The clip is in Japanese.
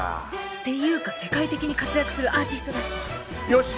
っていうか世界的に活躍するアーティストだし！よし！